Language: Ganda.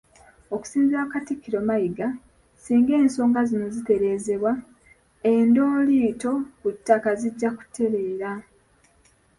Okusinziira ku Katikkiro Mayiga, singa ensonga zino zitereezebwa, endooliito ku ttaka zijja kutereera.